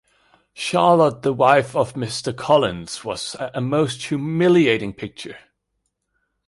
Charlotte the wife of Mr. Collins was a most humiliating picture!